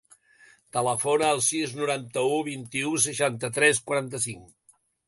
Telefona al sis, noranta-u, vint-i-u, seixanta-tres, quaranta-cinc.